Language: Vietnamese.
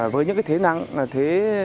với những thế mạnh